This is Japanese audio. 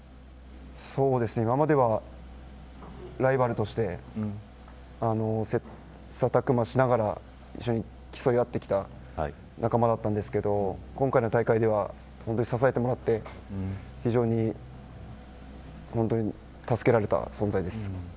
今までは、ライバルとして切磋琢磨しながら一緒に競い合ってきた仲間だったんですけど今回の大会では本当に支えてもらって本当に助けられた存在です。